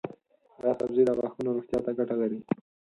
دا سبزی د غاښونو روغتیا ته ګټه لري.